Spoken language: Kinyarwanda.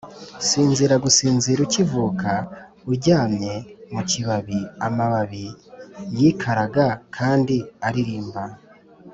sinzira gusinzira ukivuka uryamye mu kibabi-amababi yikaraga kandi aririmba